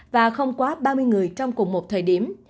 và không quá ba mươi người trong cùng một thời điểm